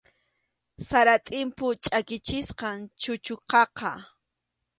Sara tʼimpu chʼakichisqam chuchuqaqa.